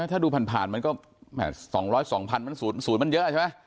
ถ้าดูผ่านมันก็๒๐๒๐๐มัน๐มันเยอะใช่ไหม